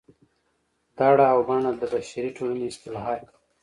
دړه او بنه د بشري ټولنې اصطلاحات دي